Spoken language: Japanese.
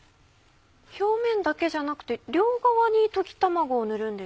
表面だけじゃなくて両側に溶き卵を塗るんですか？